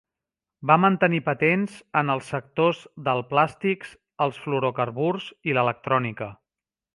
Va mantenir patents en els sectors del plàstics, els fluorocarburs i l"electrònica.